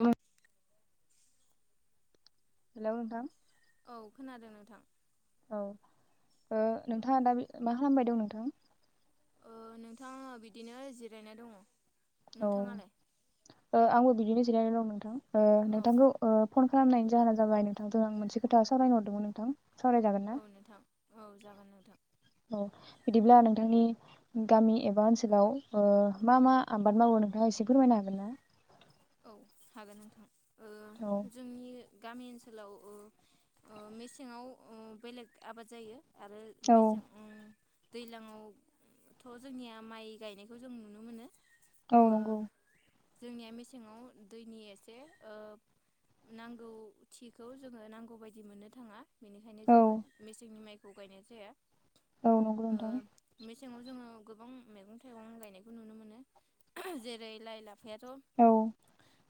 उम। हेल नोंथां। औ खोनादों नोंथां। औ ओ नोंथाङा दा मा खालामबाय दं नोंथां? ओ नोंथा‌ं आं बिदिनो जिरायना दङ'। औ नोंथाङालाय ओ आंबो बिदिनो जिरायना दं नोंथां। ओ औ नोंथांखौ ओ। फन खालामनायनि जाहोना जाबाय नोंथांजों आं मोनसे खोथा सावराय हरदोंमोन नोंथां। सावरायजागोन ना औ नोंथां औ जागोन नोंथां। औ बिदिब्ला नोंथांनि गामि एबा ओनसोलाव ओ मा मा आबाद मावो नोंथाङा एसे फोरमायनो हागोन ना? औ हागोन नोंथां। औ ओ जोंनि गामि ओनसोलाव ओ ओ मेसेङाव ओ बेलेग आबाद जायो। आरो औ मेसें ओं। दैज्लाङावथ' जोंनिया माइ गायनायखौ जों नुनो मोनो। औ ओ नंगौ। जोंनिया मेसें सिङाव दैनि एसे ओ नांगौथिखौ जोङो नांगौ बायदि मोननो थाङा। बेनिखायनो औ जोङो मेसेंनि माइ खौ गायनाय जाया। औ नंगौ नोंथां। सेङाव जोङो गोबां मैगं थाइगं गायनायखौ नुनो मोनो जेरै लाइ लाफ औ [unintelligible]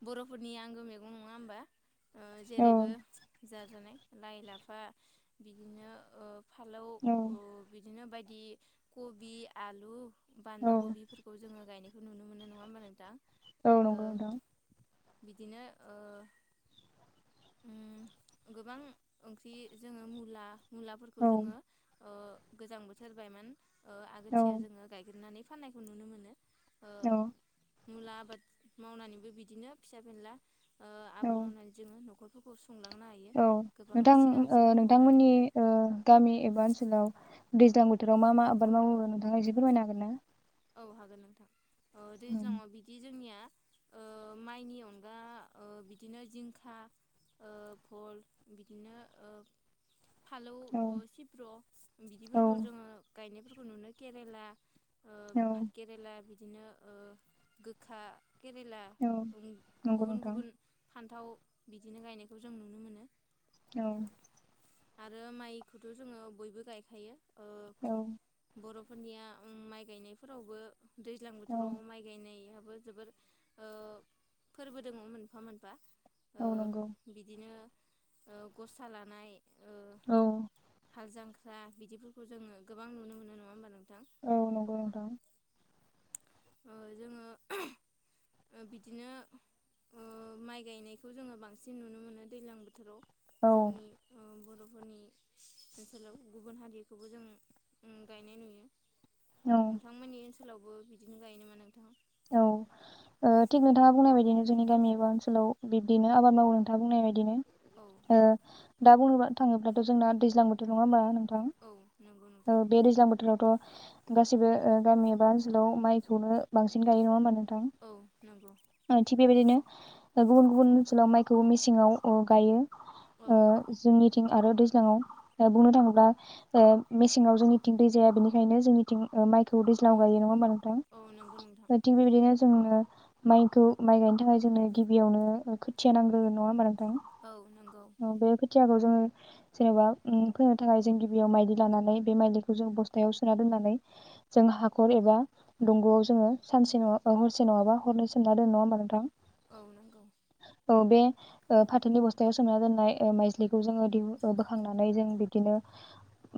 बर'फोरनि आंगो मैगं नङा होमबा? ओ औ जेरैबो जाजानाय लाइ लाफा बिदिनो ओ फालौ औ ओ बि बिदिनो बायदि कबि आलु औ बान्दा कबिफोरखौ जोङो गायनाय नुनो मोनो नङा होमबा नोंथां? औ ओ नंगौ नोंथां। बिदिनो ओ उम गोबां ओंख्रि जोङो मुला मुलाफोरखौ औ जोङो ओ गोजां बोथोर बायमान ओ औ आगोथिया जोङो गायग्रोनानै फाननायखौ नुनो मोनो। ओ औ मुला आबाद मावनानैबो बिदिनो फिसा फेनला ओ औ आबाद मावनानै जोङो [unintelligible] हायो औ गोबां नोथां सिगां ओ सिगां मावनानै नोंथांमोननि ओ गामि एबा ओनसोलाव दैज्लां बोथोराव मा मा आबाद मावयो? नोंथाङा एसे फोरमायनो हागोन ना? औ हागोन नोंथां। ओ दैज्लाङाव बिदि जोंनिया ओ माइनि अनगा ओ बिदिनो जिंखा ओ फल बिदिनो ओ फालौ औ ओ सिब्र' औ बिदिफोरखौ जोङो गायनायफोरखु नुनो केरेला औ फा केरेला बि दिनो ओ गोखा केरेला औ उं नंगौ गुबुन नोंथां गुबुन फान्थाव बिदिनो गायनायखौ जों नुनो मोनो। औ आरो माइखोथ' जोङो बयबो गायखायो ओ औ बर'फोरनिया उम माइ गायनायफोरावबो दैज्लां औ बोथोराव माइ गायनाय जोबोर ओ फोरबो दों मोनफा मोनफा। ओ औ नंगौ बिदिनो ओ ग'सा लानाय ओ औ हाल जांख्रा बिदिफोरखौ जोंयो गोबां नुनो मोनो नङा होमबा नोंथा? औ नंगौ नोंथां ओ जोङो बिदिनो ओ माइ गायनायखौ जोङो बांसिन नुनो मोनो दैलां बोथोराव। औ जोंनि ओ बर' फोनि ओनसोलाव गुबुन हारिखौबो जों गायनाय नुयो। औ नोंथांमोननि सोलावबो बि दिनो गायो नामा नोंथां औ ओ थिग नोंथाङा बुंनाय बायदिनो जोंनि गामि एबा ओनसोलाव बिब्दिनो आबाद मावो नोंथाङा बुंनाय बायदिनो औ ओ नंगौ दा बुंयोबा थाङोब्लाथ' जोंना दैज्लां बोथोर नङा होनबा? नोंथ ओं औ नंगौ नोंथां औ बे दैज्लां बोथोरावथ' गासिबो गामि एबा ओनसोलाव माइखौनो बांसिन। बांसिन गायो नङा ओमबा नों औ नंगौ थां थिग बेबायदिनो दा गुबुन गुबुन ओनसोलाव माइखौ मिसिङाव उ गायो। औ उ जोंनि थिं आरो दैज्लाङाव ओ बुंनो थाङोब्ला ओ मेसेङाव जोंनिथिं दै जायाबो बेनिखायनो ओ माय [unintelligible] औ दैज्लाङाव गायो नङा ओमबा नोथां? औ नंगौ नोंथां [unintelligible] बिबादिनो जोंनो माइखौ माइ गायनो थाखाय जोंनो गिबियावनो खोथिया नांग्रोगोन नङा ओम्बा नोंथां? औ नंगौ थां बेखो खोथियाखौ जोङो जेनेबा फोननो थाखाय जों गिबियाव माइदि लानानै बे माइलिखौ जों बस्थायाव सोना दोननानै जों हाखर एबा दंग'आव जोङो सानसे न' हरसे नङाबा हरनै सोमना दोनो नङा होमबा नोंथां? औ नंगौ। औ बे ओ फाथोनि बस्थायाव सोमना दोननाय माइजलिखौ जोङो दिह बोखांनानै जों बिबदिनो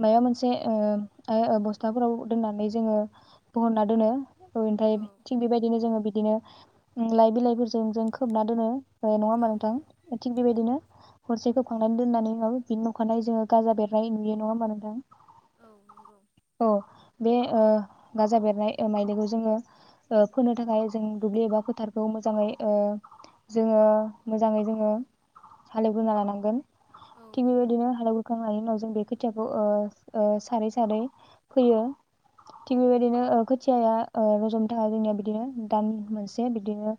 माबा मोनसे ओ बस्थाफोराव दोननानै जोङो बहनना दोनो ओमफ्राय औ थिग बेबायदिनो जोङो बि बिदिनो लाइ बिलाइफोरजों जों खोबना दोनो। नङा होमबा औ नोंथां थिग बेबायदिनो हरसे खोबखांनानै दोननानै बिनि नखानायै जोङो गाजा बेरनाय नुयो नङा होमबा नोंथां? औ नंगौ औ बे ओ गाजा बेरनाय ओ मायज्लिखौ जोङो ओ फोनो थाखाय जों दुब्लि एबा फोथारखौ मोजाङै ओ जोङो मोजाङै जोङो हालेवग्रोना लानांगोन। औ थिग नंगौ बेबायदिनो हालेवखांनायनि उनाव बे खोथ खोथियाखौ ओ ओ सारै सारै फोयो थिग बेबायदिनो ओ खोथिया ओ र'जनो थाखाया जोंनिया बिदिनो दान मोनसे बिदिनो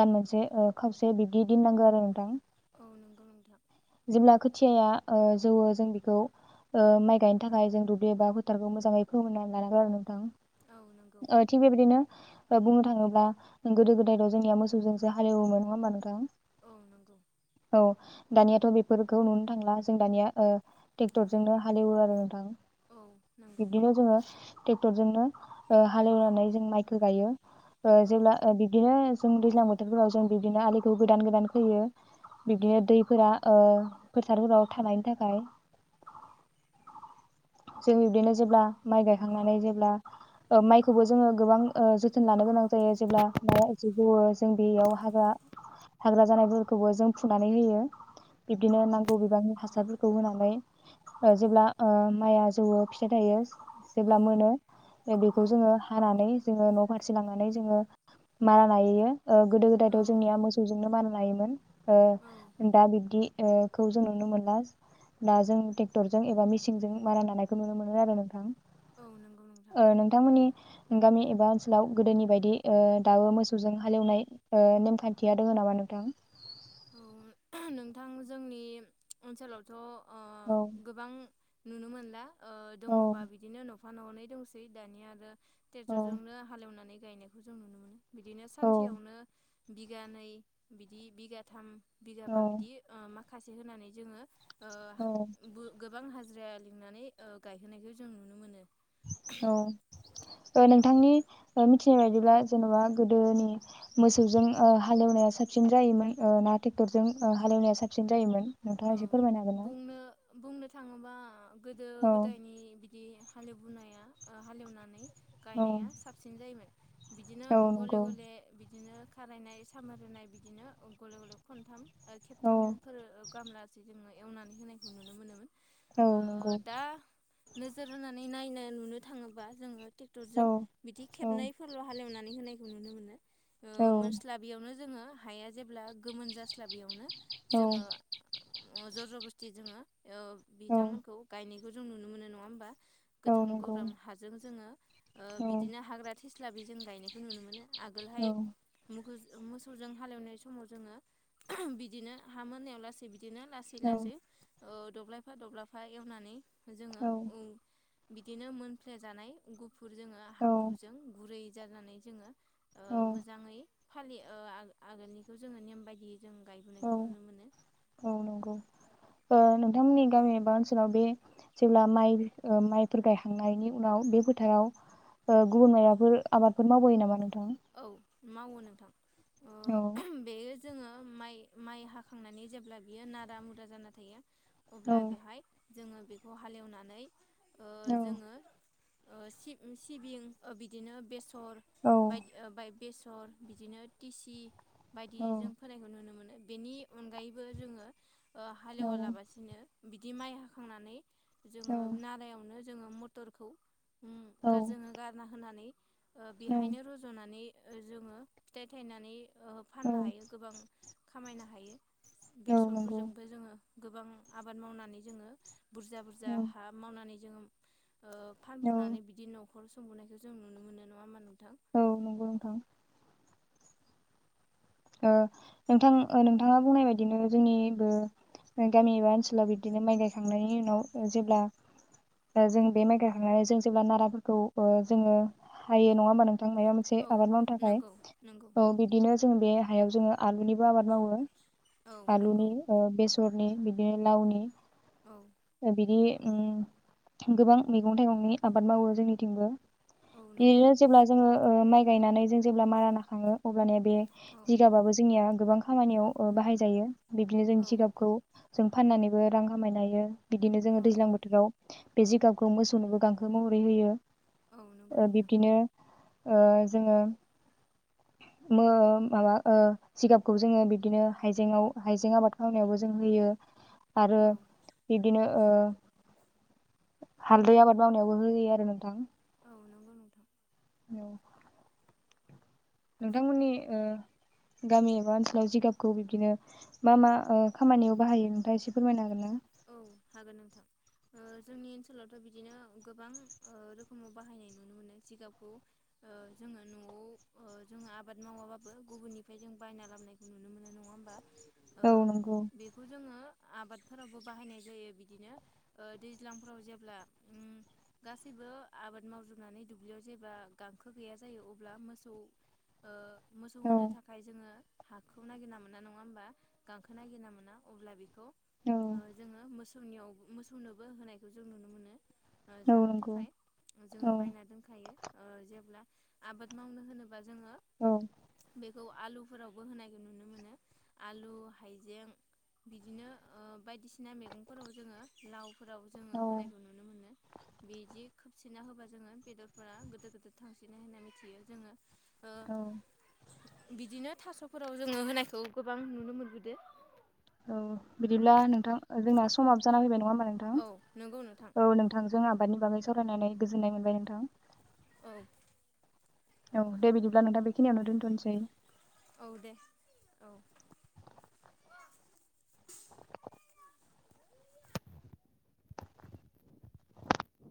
दान मोनसे खावसे ओ बिब्दि दिन नांगो आरो नोंथां। औ नंगौ नोंथां जेब्ला खोथियाया ओ जौवो जों बेखौ ओ माइ गायनो थाखाय जों दुब्लि एबा फोथारखौ मोजाङै फोमोननानै लानांगौ आरो नोंथां। औ नंगौ। ओ थिग बेबायदिनो बुंनो थाङोब्ला गोदो गोदायथ' जोंनिया मोसौजोंसो हालेवोमोन नङा ओमबा नोंथां? औ नंगौ औ दानियाथ' बि बेफोरखौ नुनो थांला जों दानिया ओ ट्रेक्टरजोंनो हालेवो आरो नोंथां। औ नंगौ बिबदिनो जोङो टेक टर जोंनो हालेवनानै जों माइखो गायो ओ औ जेब्ला ओ बिबदिनो जों दैज्लां बोथोरफोराव ओ जों बिबदिनो आलिखौ गोदान गोदान खोयो बिबदिनो उम दै फोरा ओ फोथार फोराव थानायनि थाखाय जों बिबदिनो जेब्ला माय गायखांनानै जेब्ला ओ माइ खोबो जोङो गोबां ओ जोथोन लानो गोनां जायो जेब्ला माया एसे जौवो जों बेयाव हाग्रा हाग्रा जानायफोरखौबो जों फुनानै होयो। औ बिब्दिनो नांगौ बिबांनि हासार खौ होनानै ओ जेब्ला ओ माइआ जौवो फिथाइ थायो औ जेब्ला मोनो औ बेखौ जोङो जोङो न' फारसे लांनानै जोङो मारा नायैयो। ओ गोदो गोदायथ' जोंनिया मोसौजोंनो मा नायोमोन औ ओ दा बिब्दि ओ खौ जों नुनो मोनला दा जों ट्रेक्टरजों एबा मेसिनजों मारा नानायखौ नुनो मोनो आरो नोंथां। औ नंगौ नोंथां ओ नोंथांमोननि गामि एबा ओनसोलाव गोदोनि बायदि ओ दाबो मोसौजों हालेवनाय ओ नेमखान्थिया दोङो नामा नोंथां? नोंथां जोंनि ओनसोलावथ' ओ औ गोबां नुनो मोनला ओ औ दङबा बिदिनो न'खर [unintelligible] ननै दंसै दानिया औ ट्रेक्टरजोंनो हालेवनानै गायनायखौ जों नुनो मोनो। बिदिनो औ सानसेयावनो बिगानै बिदि बिगा थाम औ बिगाबा बिदि ओ मा खासे होनानै जोङो औ जिरा लिंनानै ओ गायहोनायखौ जों नुनो मोनो। औ नोंथांनि मिथिनाय बायदिब्ला जेन'बा गोदोनि मोसौजों ओ हालेवनाया साबसिन जायोमोन ओ ना ट्रेक्टरजों ओ हालेवनाया साबसिन जायोमोन? औ नोंथाङा एसे फोरमायनो हागोन ना? बुंनो बुंनो थाङोबा गोदो औ गोदायनि बिदि हालेवबोनाया हालेवनानै औ गायनाया साबसिन जायोमोन बिदिनो औ गले नंगौ गले बिदिनो खारायनाय सामारनाय बिदिनो गले गले खनथाम औ खेबथामफोर [unintelligible] एवनानै होनायखौ नुनो मोनोमोन औ ओ नंगौ दा नोजोर होनानै नायनो नुनो थाङोबा जोङो ट्रेक्टर औ जों बिदि औ खेबनैफोरल' हालेवनानै होनायखौ नुनो मोनो ओ औ मोनस्लाबियावनो जोङो हाया जेब्ला गोमोन जास्ला बेयावनो औ जोङो जरज बस्थि जोङो औ बिथांमोनखौ गायनो बे जों नुनो मोन नङा होनोमबा। औ गोथां नंगौ गोब्राम हाजों जोङो। औ बिदिनो हाग्रा। थेस्ला बे जों गायनायखौ नुनो मोनो। आगोलहाय औ मुग मोसौजों हालेवनाय समाव जोङो बिदिनो हा मोनायावलासै बिदिनो लासै औ लासै औ दब्लायफा दब्लाायफा एवनानै जोङो ओ बिदिनो मोनफ्लेेजानाय गु जोङो औ हाब्रुजों गुरै जानानै जोङो। औ मोजाङै फालियो आगोलनिखौ जोङो नेयम बायदियै जों औ गायबोनायखौ नुनो मोनो। औ नंगौ नोंथांमोननि गामि एबा ओनसोलाव बे जेब्ला माइ माइफोर गायखांनायनि उनाव बे फोथाराव गुबुन माइबाफोर आबादफोर मावबोयो नामा नों औ। मावो नोंथां। औ। ओ बेयो जोङो माइ माइ हाखांनानै जेब्ला बियो नारा मुरा जाना थायो। अब्ला बेहाय जोङो बेखौ हालेवनानै। ओ जोङो सिबिं बिदिनो बेसर औ। [unintelligible] बेसर बिदिनो टिसि बायदि जों फोनायखौ नुनो मोनो बेनि अनगायैबो जोंङो हालेवालाबासिनो बिदि माइ हाखांनानै जोंङो नालायावनो जोंङो मटरखौ जोंङो गारना होनानै बेहायनो जोंङो फिथाइ थायनानै फाननो हायो गोबां खामायनो हायो नंगौ, बेसरफोरजोंबो जोंङो गोबां आबाद मावनानै जोंङो बुरजा बुरजा हा मावनानै ओम ओ फानबुनानै बिदि न' नखौ सबोननायखौ जों नुनो मोनो नोंथां औ नंगौ नोंथां नोंथां नोंथाङा बुंनाय बायदिनो जोंनिबो गामि एबा ओनसोलाव बिदिनो माइ गायखांनायनि उनाव जेब्ला जों बे माइ गायखांनानै जों जेब्ला नाराफोरखौ जोङो हायो नङा होमबा नों थांनाया मोनसे औ आबाद मावनो थाखाय नंगौ नंगौ औ बिदिनो जों बे हायाव जोंङो आलुनिबो आबाद मावो औ नंगौ आलुनि ओ बेसर बिदिनो लावनि औ बिदि गोबां मैगं थाइगंनि आबाद मावो जोंनिथिंबो औ नंगौ बिदिनो जेब्ला जोंङो माइ गायनानै जों जेब्ला मारा होखाङो बे औ जिगाबाबो जोंनिया गोबां खामानियाव बाहायजायो बिदिनो जों औ जिगाबखौ जों फाननानैबो रां खामायनो हायो बिदिनो जोंङो औ दैज्लां बोथोराव बे जिगाबखौ मोसौनोबो गांसो महरै होयो औ नंगौ ओ नोंथां बिदिनो जोङो माबा जिगाबखौ जोङो बिदिनो हाइजेंआव हाइजें आबाद खालामनायावबो जों होयो आरो औ बिदिनो ओ [inaudible] हालदै आबाद मावनायावबो होयो आरो नोंथां औ नंगौ नोंथां औ नोंथांमोननि ओ गामि एबा ओनसोलाव जिगाबखौ बिब्दिनो मा मा ओ खामानियाव बाहायो नोंथाङा एसे फोरमायनो हागोन ना औ हागोन नोंथां ओ जोंनि ओनसोलावथ' बिदिनो गोबां रोखोमाव बाहायनाय नुनो मोनो जिगाबखौ जोङो न'आव जोङो आबाद मावाबाबो गुबुननिफ्राय जों बायना लाबोननायखौ नुनो मोनो नङा होमबा ओ औ नंगौ बेखौ जोङो आबादफोराव बो बाहायनाय जायो बिदिनो दैज्लांफोराव जेब्ला उम गासैबो आबाद मावजोबनानै दुब्लियाव जेब्ला गांखो गैया जायो अब्ला मोसौ ओ मोसौ औ होनो थाखाय जोङो हाखौ नागिरना मोना नङा होमबा गांखो नागिरना मोना अब्ला बिखौ औ जोङो मोस सौनियाव मोसौनोबो होनायखौ जों नुनो मोनो ओ औ जानो नंगौ थाखाय जोङो औ बायना दोनखायो ओ जेब्ला आबाद मावनो होनोबा जोङो औ बेखौ आलुफोरावबो होनायखौ नुनो मोनो आलु हायजें बिदिनो ओ बायदिसिना मैगंफोराव जोङो लाव फोराव जोङो औ होनायखौ नुनो मोनो बिदि खोबसिनना होबा जोङो बेदरफोरा गोदोद गोदोद थांसिनो होनना मिथियो जोङो ओ औ बिदिनो थास'फोराव जोङो होनायखौ गोबां नुनो मोनबोदो औ बिदिब्ला नोंथां जोंना समाबो जाना फैबाय नङा बा नोंथां औ नंगौ नोंथां औ नोंथां जों आबादनि बागै सावरायनानै गोजोननाय मोनबाय नोंथां औ औ दे बिदिब्ला नोंथां बेखिनियावनो दोनथ'नोसै औ दे औ